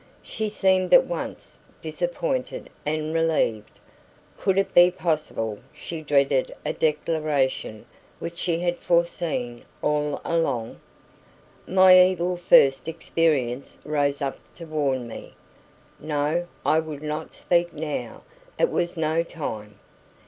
She seemed at once disappointed and relieved. Could it be possible she dreaded a declaration which she had foreseen all along? My evil first experience rose up to warn me. No, I would not speak now; it was no time.